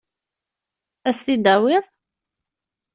Ad as-t-id-tawiḍ?